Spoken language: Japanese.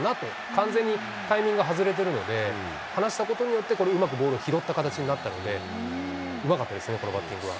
完全にタイミング外れてるので、放したことによって、これ、うまくボールを拾った形になったので、うまかったですね、このバッティングは。